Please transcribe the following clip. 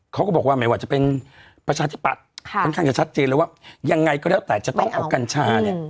เขาก็บอกว่าไม่ว่าจะเป็นประชาธิปัตย์ค่อนข้างจะชัดเจนเลยว่ายังไงก็แล้วแต่จะต้องเอากัญชาเนี่ย